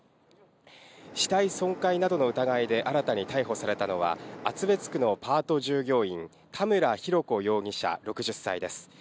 死体損壊などの疑いで新たに逮捕されたのは、厚別区のパート従業員、田村浩子容疑者６０歳です。